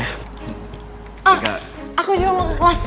ah aku jual ke kelas